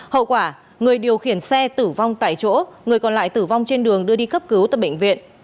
hậu quả người điều khiển xe tử vong tại chỗ người còn lại tử vong trên đường đưa đi cấp cứu tại bệnh viện